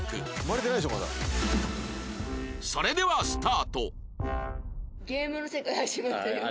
それではスタート